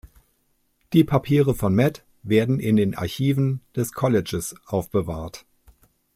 Die Papiere von Mead werden in den Archiven des Colleges aufbewahrt.